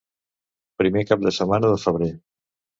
Primer cap de setmana de febrer.